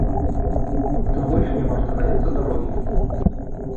І тым больш не варта баяцца дарогі.